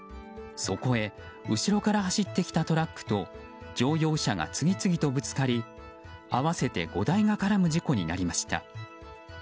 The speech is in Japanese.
そこへ後ろから走ってきたトラックと乗用車が次々とぶつかり合わせて５台が絡む事故になりました。